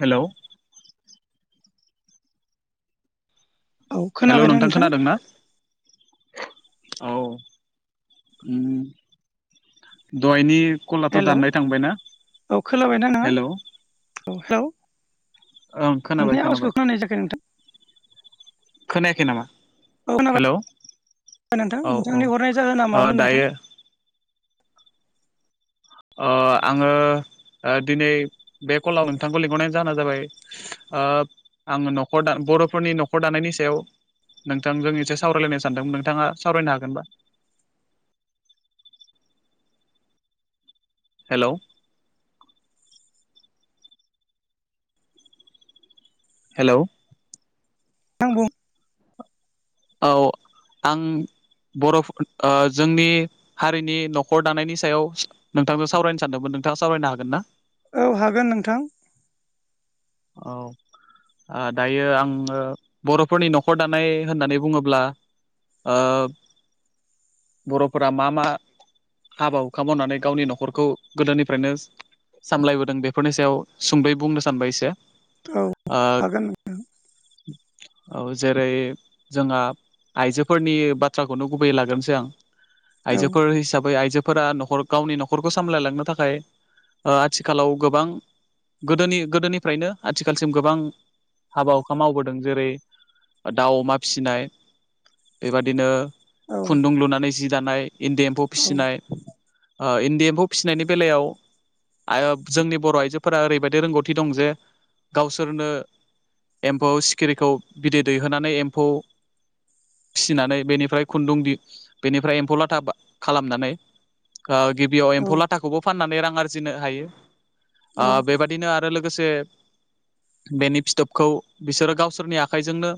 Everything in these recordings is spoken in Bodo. हेलौ औ हेलौ खोनाबायना नोंथां खोनादों ना? औ ओम दहायनि कलाथ' हेल' दाननाय औ थांबायना खोनाबायना हेलौ ओं खोनाबाय नोंनि खोनाबाय अवासखौ खोनानाय जायाखै नोंथां खोनायाखै नामा? औ खोनाबाय हेलौ नोंथां औ औ नोंथांनि हरनाय जाहोना ओ मामोन नोंथां दायो ओ आंङो दिनै बे कलाव नोंथांखौ लिंहरनाय जाहोना जाबाय ओ आंङो न'खर दा बर'फोरनि न'खर दानायनि सायाव नोंथांजों एसे सावरायलायनो सानदों नोंथाङा सावरायनो हागोनबा [inaudible] हेलौ हेलौ थां बुं औ आं बर' फोर जोंनि हारिनि न'खर दानायनि सायाव नोंथांजों सावरायनो सानदोंमोन। नोंथाङा सावरायनो हागोन ना? औ हागोन नोंथां। औ ओ दायो आंङो बर'फोरनि न'खर दानाय होननानै बुङोब्ला ओ बर'फोरा मा मा हाबा हुखा मावनानै गावनि न'खरखौ गोदोनिफ्रायनो सामलायबोदों बेफोरनि सायाव सुंदयै बुंनो सानबाय एसे औ ओ हागोन औ जेरै जोंहा आइजोफोरनि बाथ्राखौनो गुबैयै लाग्रोनोसै आं औ आयजोफोर हिसाबै आइजो फोरा न'खर गावनि न'खरखौ सामलायलांनो थाखाय ओ आथिखालाव गोबां गोदोनि गोदोनिफ्रायनो आथिखालसिम गोबां हाबा हुखा मावबोदों जेरै दाउ अमा फिसिनाय बेबादिनो औ खुन्दुं लुनानै जि दानाय इन्दि एम्फौ औ फिसिनाय ओ इन न्दि एम्फौ फिसिनायनि बेलायाव आरो जोंनि बर' आइजोफोरा ओरैबायदि रोंगौथि दं जे गावसोरनो एम्फौ सिखिरिखौ बिदै दैहोनानै एम्फौ फिसिनानै बेनिफ्राय खुन्दुं दि बेनिफ्राय एम्फौ लाथा खालामनानै ओ गिबियाव एम्फौ लाथाखौबो फाननानै रां आरजिनो हायो ओ औ बेबायदिनो आरो लोगोसे बेनि फिथोबखौ बिसोरो गावसोरनि आखाइजोंनो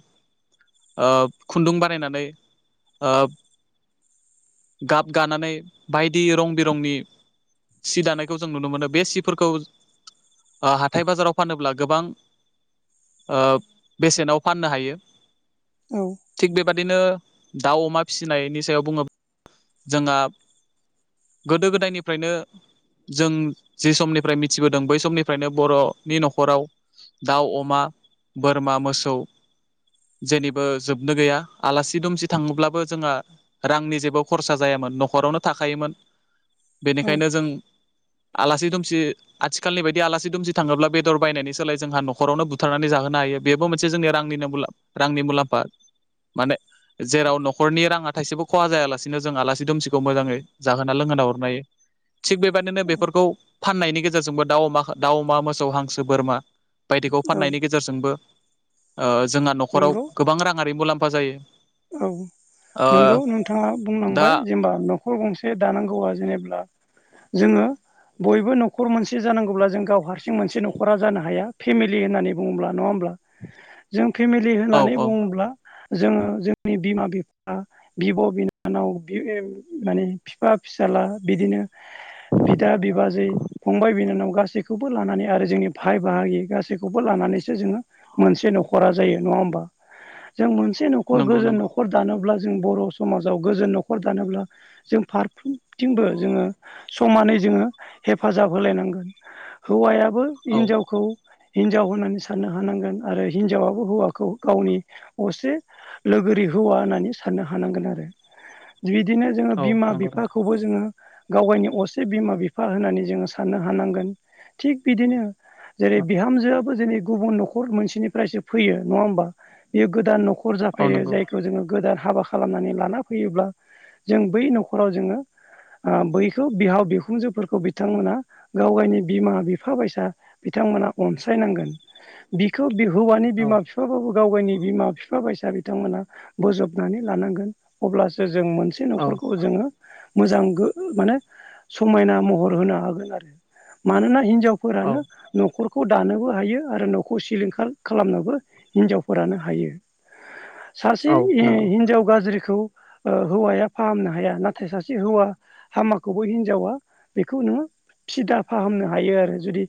ओ खुन्दुं बानायनानै ओ गाब गानानै बायदि रं बिरंनि सि दानायखौ जों नुनो मोनो बे सिफोरखौ ओ हाथाय बाजाराव फानोब्ला गोबां ओ बेसेनाव फाननो हायो थिग बेबा दिनो दाउ अमा फिसिनायनि सायाव बुङोबा जोंहा गोदो गोदायनिफ्रायनो जों जि समनिफ्राय मिथिबोदों बै समनिफ्रायनो बर'नि न'खराव दाउ अमा बोरमा मोसौ जेनिबो जोबनो गैया आलासि दुमसि थाङोब्लाबो जोंहा रांनि जेबो खरसा जाया मोन न'खरावनो थाखायोमोन। औ बेनिखायनो जों आलासि दुमसि आथिखालनि बायदि आलासि दुमसि थाङोब्ला बेदर बायनायनि सोलाय जोंहा न'खरावनो बुथारनानै जाहोनो हायो बेबो मोनसे जोंनि रांनिनो मु रांनि मुलाम्फा। माने जेराव न'खरनि राङा थाइसेबो खहा जायालासिनो जों आलासि दुमसिखौ मोजाङै जाहोना लोंहोना हरनो हायो। थिग बेबायदिनो औ बेफोरखौ फाननायनि गेजेरजोंबो दाउ अमा दाउ अमा मोसौ हांसो बोरमा बायदिखौ औ फाननायनि गेजेरजोंबो ओ जोंहा न'खराव नंगौ गोबां राङारि मुलाम्फा जायो। औ ओ नंगौ नोंथाङा दा बुंलांबाय जेनबा न'खर गं से दानांगौआ जेनेब्ला जोङो बयबो न'खर मोनसे जानांगौब्ला जों गाव हारसिं मोनसे न'खरा जानो हाया फेमिलि होननानै बुङोब्ला नङा होमब्ला? जों फेमिलि औ होननानै औ बुङोब्ला जोङो जों नि बिमा बिफा बिब' बिनानाव बि माने बिफा फिसाला बिदिनो [inaudible] बिदा बिबाजै फंबाय बिनानाव गासैखौबो लानानै आरो जोंनि भाइ बाहागि गासैखौबो लाना नैसो जोङो मोनसे न'खरा जायो नङा होमबा? [inaudible] जों मोनसे न'खर नंगौ गोजोन नंगौ न'खर दानोब्ला जों बर' समाजाव गोजोन न'खर दानोब्ला जों फारफ्रोमथिंबो जोङो समानै जोङो हेफाजाब होलायनांगोन हौवायाबो औ हिनजावखौ हिनजाव होननानै साननो हानांगोन आरो हिनजावाबो हौवाखौ गावनि असे लोगोरि हौवा होननानै साननो हानांगोन आरो बिदिनो जोङो औ बिमा नंगौ नोंथां बिफाखौबो जोङो गाव गावनि असे बिमा बिफा होननानै जोङो साननो हानांगोन थिग बिदिनो जेरै बिहामजोआ बो जोंनि गुबुन न'खर मोनसेनिफ्रायसो फैयो नङा होमबा बेयो गोदान नख'र औ फैयो नंगौ जायखौ जोङो गोदान हाबा खालामनानै लाना फैयोब्ला जों बै न'खराव जोङो बैखौ बिहाव बिखुंजोफोरखौ बिथांमोना गाव गाइनि बिमा बिफा बायसा बिथा थांमोना अनसायनांगोन बिखौ हौवानि औ बिमा बिफा बाबो गाव गाइनि बिमा बिफा बाइसा बिथांमोना बोजबनानै लानांगोन अब्लासो जों मोनसे औ न'खरखौ जोङो मोजां गो माने समायना महर होनो हागोन आरो मानोना हिन औ जावफोरानो न'खरखौ दानोबो हायो आरो न'खौ सिलिंखार खालामनोबो हिनजावफोरानो हायो। सासे हि नंगौ हिन्जाव गाज्रिखौ हौवाया फाहामनो हाया नाथाय सासे हौवा हामाखौबो हिनजावा बेखौ नोङो फिदा फाहामनो हायो आरो जुदि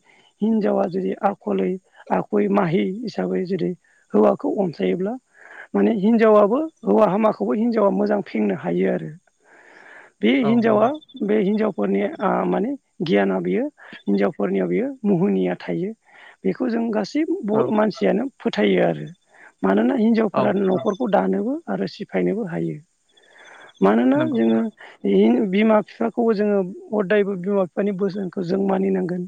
हिनजावा जुदि आखलै आखुयै माहि हिसा साबै जुदि हौवाखौ अनसायोब्ला माने हिनजावाबबो हौवा हामाखौबो हिनजावा मोजां फिन्नो हायो आरो। बे औ हिनजावा नंगौ बे हिनजाव फोरनि ओ माने गियाना बियो हिनजावफोरनियाव बियो मुहुनिया थायो। बेखौ जों गास औ बर' मानसियानो फोथायो आरो मानोना औ हिनजावफोरा न'खरखौ दानोबो आरो सिफायनोबो हायो मानोना नंगौ जोङो बे बिमा बिफाखौबो जोङो हदायबो बिमा बिफानि बोसोनखौ जों मानिनांगोन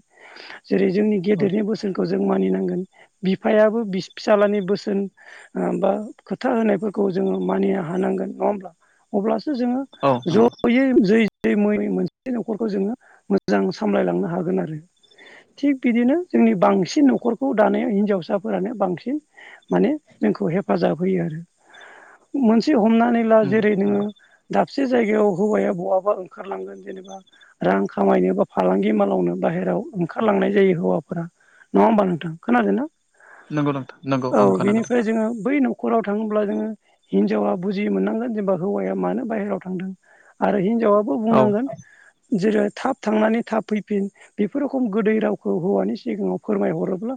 जेरै जोंनि औ गेदेरनि बोसोनखौ जों मानिनांगोन बिफायाबो बि फिसालानि बोसोन बा खोथा होन्नायफोरखौ जोङो मानिनो हानांगोन नङा होमब्ला अब्लासो औ जोङो नंगौ जयै ज मोनसे [inaudible] न'खरखौ जोङो मोजां सामलायलांनो हागोन आरो थिग बिदिनो जोंनि बांसिन न'खरखौ दानाया हिनजावसाफोरानो बांसिन माने जोंखौ हेफाजाब होयो आरो मोनसे हमनानै ला नंगौ जेरै नोङो दाबसे जायगायाव हौवाया बहाबा ओंखारलांगोन जेनेबा रां खामायनो बा फालांगि मावालावनो बाहेरायाव ओंखारलांनाय जायो हौवाफोरा नङा होमबा नोंथां खोनादोंना नंगौ नोंथ नंगौ औ ओंखार नागोर बिनिफ्राय जोङो बै न'खराव थाङोब्ला जोङो हिनजावा बुजि मोननांगोन जेनेबा हौवाया मानो बाहेरायाव थांदों आरो हिनजावाबो औ बुंनांगोन जेरै थाब थांनानै थाब फैफिन बेफोर रोखम गोदै रावखौ हौवानि सिगाङाव फोरमायहरोब्ला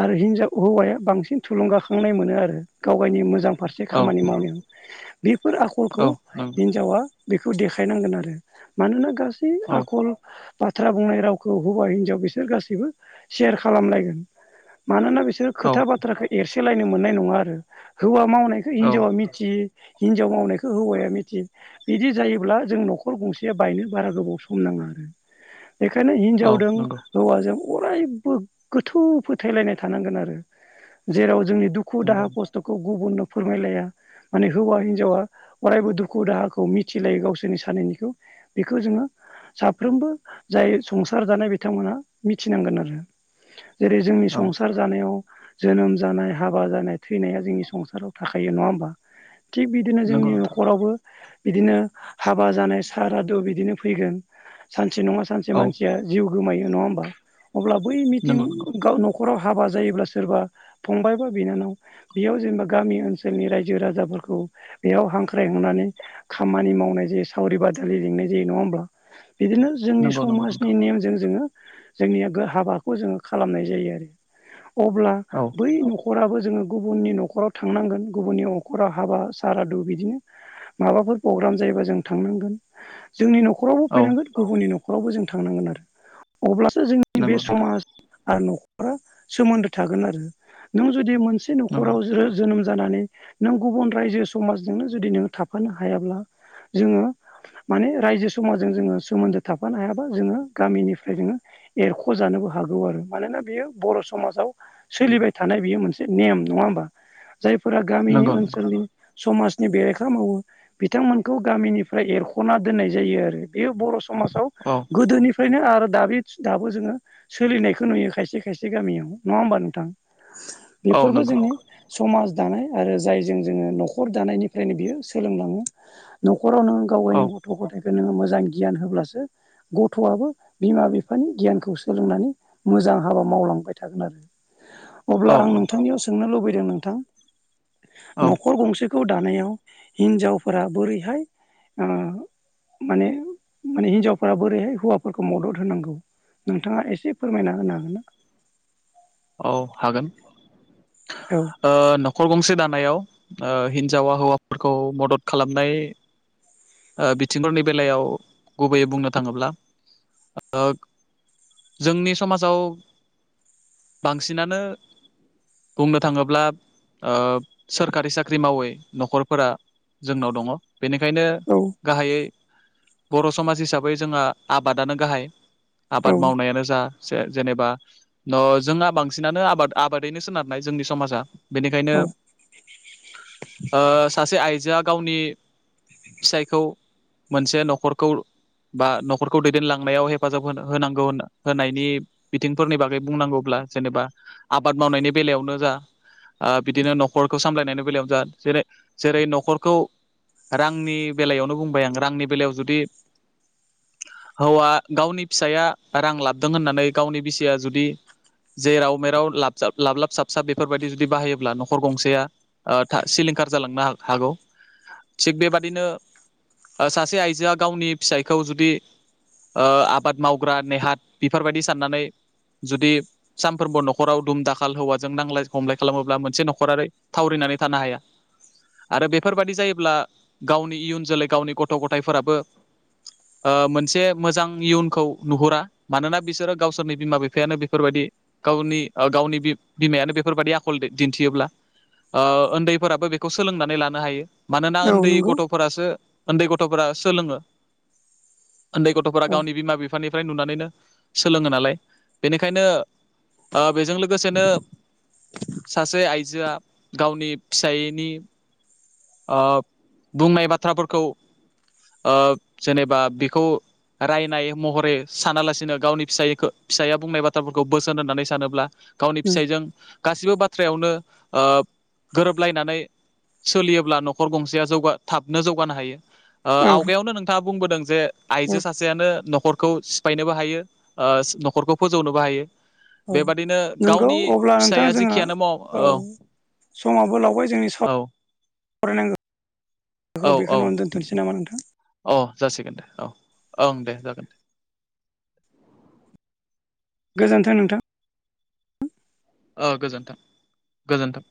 आरो हिनजाव हौवाया बांसिन थुलुंगा थांनाय मोनो आरो गाव गावनि मोजां फारसे औ खामानि मावनायाव बेफोर औ आखलखौ नंगौ हिनजावा बेखौ देखायनांगोन आरो मानोना गा औ आखल बाथ्रा बुंनाय रावखौ हौवा हिनजाव बिसोर गासैबो सेयार खालामलायगोन मानोना बिसोरो औ खोथा बाथ्राखौ एरसेलायनो मोननाय नङा आरो हौवा मावनायखौ औ हिनजावा मिथियो हिनजाव मावनायखौ हौवाया मिथि बिदि जायोब्ला जों न'खर गंसेया बायनो बारा गोबाव सम नाङा आरो [inaudible] बेखायनो औ हिनजावदों नंगौ हौवाजों अरायबो गोथौ फोथायलायनाय थानांगोन आरो जेराव जोंनि दुखु नंगौ दाहा खस्थ'खौ गुबुननो फोरमायलाया माने हौवा हिनजावा अरायबो दुखु दाहा खौ मिथिलायो गावसोरनि सानैनिखौ बेखौ जोङो साफ्रोमबो जाय संसार जानाय बिथांमोना मिथिनांगोन आरो जेरै जोंनि औ संसार जानायाव जोनोम जानाय हाबा जानाय थैनाया जोंनि संसाराव थाखायो नंङा होमबा थिग बिदिनो नंगौ जोंनि नोंथां न'खरावबो बिदिनो हाबा जानाय सारादु बिदिनो फैगोन सान मानसे नङा सानसे औ मानसिया जिउ गोमायो नङा होमबा अब्ला बै मिथिं नंगौ नंगौ गाव न'राव हाबा जायोब्ला सोरबा फंबायबा बिनानाव बेयाव जेनेबा गामि ओनसोलनि रायजो राजाफोरखौ बेयाव हांख्रायहांनानै खामानि मावनाय जायो सावरि बादालि लिंनाय जायो नंङा होमब्ला बिदिनो जोंनि नंगौ नंगौ समाजनि नोंथां नेमजों जोङो जोंनिया हाबाखौ जोङो खालामनाय जायो आरो अब्ला औ बै न'खराबो जोङो गुबुननि न'खराव थांनांगोन गुबुननि न'खराव हाबा सारादु बिदिनो माबाफोर प्रग्राम जायोबा जों थांनांगोन जोंनि न'खरावबो औ फैनांगोन गुबुननि न'खरावबो जों थांनांगोन आरो अब्ला जोंनि बे नंगौ नोंथां समाज आरो न'खरा सोमोन्दो थागोन आरो नों जुदि मोन सासे नंगौ न'खराव जोनोम जानानै नों गुबुन रायजो समाजजोंनो जुदि नो थाफानो हायाब्ला जोङो माने रायजो समाजजों जोङो सोमोन्दो थाफानो हायाबा जोङो गामिनिफ्राय जोङो एरख' जानोबो हौ आरो मानोना बियो बर' समाजाव सोलिबाय थानाय बियो मोनसे नेम नङा होमबा जायफोरा गामिनि नंगौ नंगौ ओनसोलनि समाजनि बेरेखा मावो बिथांमोनखौ गामिनिफ्राय एरख'ना दोननाय जायो आरो बेयो बर' समाजाव औ गोदोनिफ्रायनो आरो आरो दा दाबो जोङो सोलिनायखौ नुयो खायसे खायसे गामियाव नङा होमबा नोंथां औ बेफोरबो नंगौ जोंनि समाज दानाय आरो जायजों जोङो न'खर दानायनिफ्रायनो बियो सोलोंलाङो न'खरावनों गावनि औ गथ'-गथायखौ नो मोजां गियान होबसो गथ'आबो बिमा बिफानि गियानखौ सोलोंनानै मोजां मोजां हाबा मावलांबाय थागोन आरो अब्ला औ आं नोंथांनियाव सोंनो लुबैदों नोंथां औ न'खर गंसेखौ दानायाव हिनजावफोरा बोरैहाय माने माने हिनजावफोरा बोरैहाय हौवाफोरखौ मदद होनांगौ नोंथाङा एसे फोरमायना होनो हागोन ना औ हागोन औ ओ न'खर गंसे दानायाव ओ हिन्जावा हौवाफोरखौ मदद खालामनाय ओ बिथिंफोरनि बेलायाव गुबैयै बुंनो थाङोब्ला जोंनि समाजाव बांसिनानो बुंनो थाङोब्ला ओ सोरखारि साख्रि मावै न'खरफोरा जोंनाव दङ। बेनिखायनो गाहायै बर' समाज हिसाबै जोंहा आबादानो गाहाय औ आबाद मावनायानो जा जेनेबा न' जोंहा बांसिनानो आबाद आबादैनो सोनारनाय जोंनि समाजा बेनिखायनो औ ओ सासे आइजोआ गावनि फिसायखौ मोनसे न'खरखौ बा न'खरखौ दैदेनलांनायाव हेफाजाब होनांगौ होनायनि बिथिंफोरनि बागै बुंनांगौ ब्ला जेनेबा आबाद मावनायनि बेलायावनो जा ओ बिदिनो न'खरखौ सामलायनायनि बेलायावनो जा जेरै जेरै न'खरखौ रांनि बेलायावनो बुंबाय आं रांनि बेलायाव जुदि हौवा गावनि फिसाया रां लाबोदों होननानै गावनि बिसिाया जुदि जे राव मेराव लाबजाब लाबलाब साबसाब बेफोरबायदि जुदि बाहायोब्ला न'खर गंसे ओ सिलिंखार जालांनो हगौ थिग बेबादिनो ओ सासे आइजोआ गावनि फिसायखौ जुदि ओ आबाद मावग्रा नेहाथ बेफोरबायदि साननानै जुदि सानफ्रोमबो न'खराव दुम-दाखाल हौवाजों नांजलाय खमलाय खालामोब्ला मोनसे न'खरा थावरिनानै थानो हाया। आरो बेफोरबाददि जायोब्ला गावनि इयुन जोलै गावनि गथ'-गथायफोराबो ओ मोनसे मोजां इयुनखौ नुहुरा मानोना बिसोरो गावसोरनि बिमा-बिफायानो बेफोरबायदि गावनि ओ गावनि बि-बिमायानो बेफोरबायाददि आखल दिन्थियोब्ला ओ उन्दैफोराबो बेखौ सोलोंनानै लानो हायो। मानोना औ उन्दै नंगौ गथ'फोरासो उन्दै गथ'फोरा सोलोङो उन्दै गथ'फोरा औ गावनि बिमा-बिफानिफ्राय नुनानैनो सोलोङो नालाय बेनिखायनो ओ बेजों लोगोसेनो सासे आइजोआ गावनि फिसायैनि ओ बुंनाय बाथ्राफोरखौ ओ जेनेबा बेखौ रायनाय महरै सानालासिनो गावनि फिस फिसाया बुंनाय बाथ्राफोरखौ बोसोन होननानै सानोब्ला गावनि उम फिसायजों गासिबो बाथ्रायावनो ओ गोरोबलायनानै सोलियोब्ला न'खर गंसेया जौगा थाबनो जौगानो हायो। ओ औ आवगायावनो नोंथाङा बुंबोदों जे औ आइजो सासेयानो न'खर खौ सिफायनोबो हायो ओ न'खरखौ फोजौनोबो हायो। औ बेबादिनो नंगौ गावनि अब्ला फिसाया जेखियानो मावा औ समाबबो लावबाय जोंनि औ साव रायनांगौ औ औ नोंथां औ जासिगोन औ ओं दे जागोन दे गोजोन्थों नोंथां ओ गोजोन्थों गोजोन्थों।